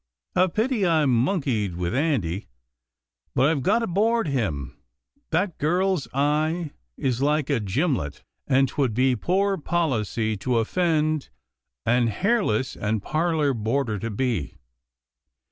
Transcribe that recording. A pity I monkeyed with Andy, but IVe got to board him — that girl's eye is like a gim let, and 'twould be poor policy to offend an ' hair less ' and parlour boarder to be.